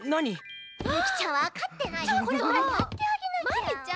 マリちゃん！